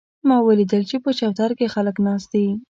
ما ولیدل چې په چوتره کې خلک ناست دي